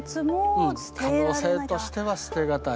うん可能性としては捨て難い。